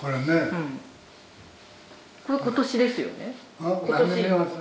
これ今年ですよね？